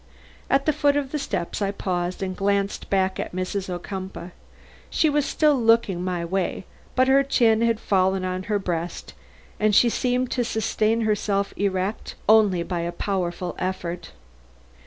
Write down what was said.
At the foot of the steps I paused and glanced back at Mrs. Ocumpaugh. She was still looking my way, but her chin had fallen on her breast, and she seemed to sustain herself erect only by a powerful effort.